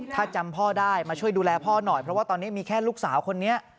ถ้าจำพ่อได้มาช่วยดูแลพ่อหน่อยเพราะว่าตอนนี้มีแค่ลูกสาวคนนี้